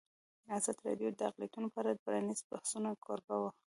ازادي راډیو د اقلیتونه په اړه د پرانیستو بحثونو کوربه وه.